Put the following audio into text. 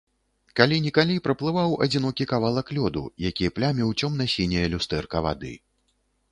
Калі-нікалі праплываў адзінокі кавалак лёду, які пляміў цёмна-сіняе люстэрка вады.